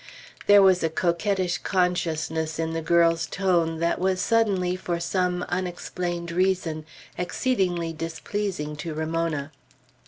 There was a coquettish consciousness in the girl's tone, that was suddenly, for some unexplained reason, exceedingly displeasing to Ramona.